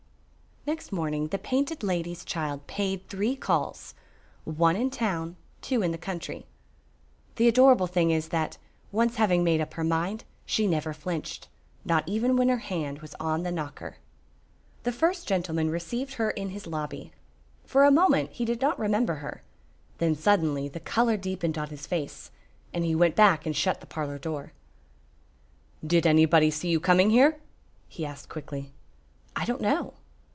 Next morning the Painted Lady's child paid three calls, one in town, two in the country. The adorable thing is that, once having made up her mind, she never flinched, not even when her hand was on the knocker. The first gentleman received her in his lobby. For a moment he did not remember her; then suddenly the color deepened on his face, and he went back and shut the parlor door. "Did anybody see you coming here?" he asked, quickly. "I don't know."